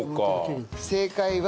正解は。